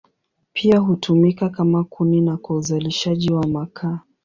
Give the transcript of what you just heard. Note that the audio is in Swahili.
Pia hutumika kama kuni na kwa uzalishaji wa makaa.